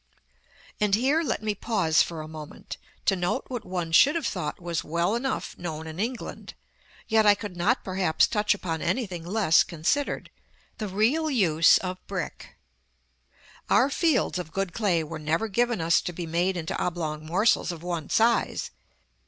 § XXXVIII. And here let me pause for a moment, to note what one should have thought was well enough known in England, yet I could not perhaps touch upon anything less considered, the real use of brick. Our fields of good clay were never given us to be made into oblong morsels of one size.